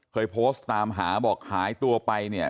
เคยโพสต์ตามหาบอกหายตัวไปเนี่ย